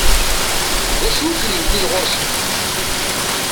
D acu i ken-yewwin ɣur-sent?